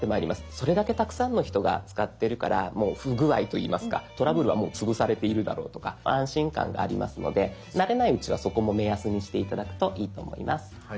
それだけたくさんの人が使ってるからもう不具合といいますかトラブルはもう潰されているだろうとか安心感がありますので慣れないうちはそこも目安にして頂くといいと思います。